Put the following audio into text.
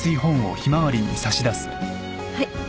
はい。